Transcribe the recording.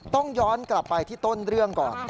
ต้องย้อนกลับไปที่ต้นเรื่องก่อน